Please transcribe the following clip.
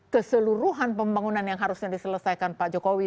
keseluruhan pembangunan yang harusnya diselesaikan pak jokowi